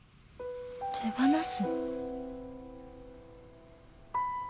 手放す？